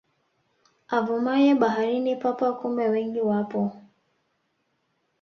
Avumaye baharini papa kumbe wengi wapo